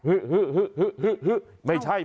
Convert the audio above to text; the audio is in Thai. ฮึไม่ใช่